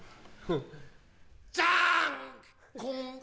じゃんこん。